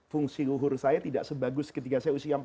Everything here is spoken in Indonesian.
fungsi luhur saya tidak sebagus ketika saya usia empat puluh